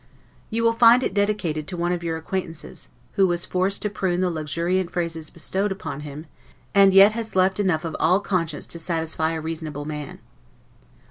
You will find it dedicated to one of your acquaintance, who was forced to prune the luxuriant praises bestowed upon him, and yet has left enough of all conscience to satisfy a reasonable man.